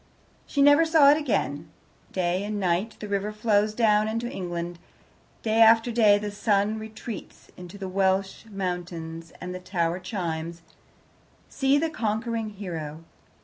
She never saw it again. Day and night the river flows down into England, day after day the sun retreats into the Welsh mountains, and the tower chimes, "See the Conquering Hero."